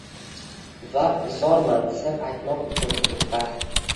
va zorman sir aytmoq uchun quduqqa.